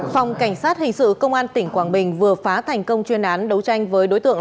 phòng cảnh sát hình sự công an tỉnh quảng bình vừa phá thành công chuyên án đấu tranh với đối tượng